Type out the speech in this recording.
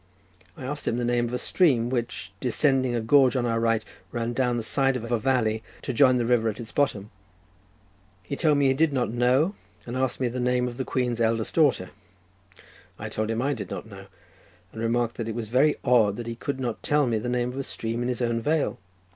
I asked him the name of a stream which, descending a gorge on our right, ran down the side of a valley, to join the river at its bottom. He told me that he did not know, and asked me the name of the Queen's eldest daughter. I told him I did not know, and remarked that it was very odd that he could not tell me the name of a stream in his own vale.